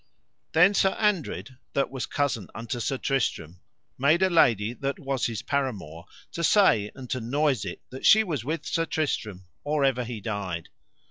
Then Sir Andred, that was cousin unto Sir Tristram, made a lady that was his paramour to say and to noise it that she was with Sir Tristram or ever he died.